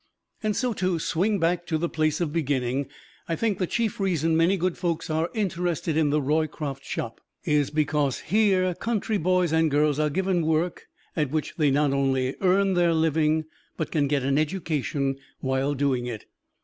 And so, to swing back to the place of beginning, I think the chief reason many good folks are interested in the Roycroft Shop is because here country boys and girls are given work at which they not only earn their living, but can get an education while doing it.